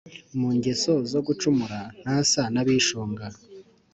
mu ngeso zo gucumura. ntasa n’abishunga